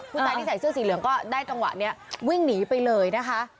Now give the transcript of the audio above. ผู้ชายที่ใส่เสื้อสีเหลืองก็ได้จังหวะนี้วิ่งหนีไปเลยนะคะ